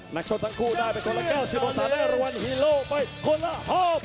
นักชนทั้งคู่ได้เป็นคนละ๙๐บาทสามารถได้ระวันฮีโรไปคนละ๕๐๐๐บาท